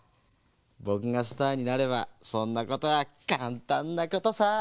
ぼくがスターになればそんなことはかんたんなことさ。